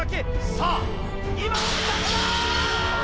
さあ今落ちてきた！